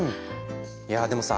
いやでもさ